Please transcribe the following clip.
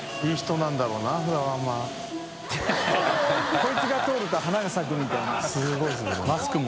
こいつが通ると花が咲くみたいな。